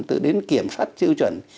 từ đến kiểm soát tiêu chuẩn